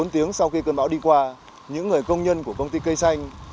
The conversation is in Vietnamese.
bốn tiếng sau khi cơn bão đi qua những người công nhân của công ty cây xanh